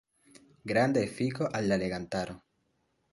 Granda efiko al la legantaro.